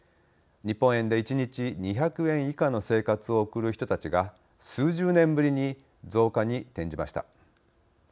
日本円で１日２００円以下の生活を送る人たちが数十年ぶりに増加に転じました。